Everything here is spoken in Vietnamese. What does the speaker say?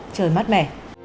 trời mắt mẻ